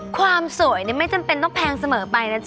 ความสวยไม่จำเป็นต้องแพงเสมอไปนะจ๊